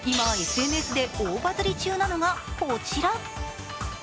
今ＳＮＳで大バズり中なのがこちら。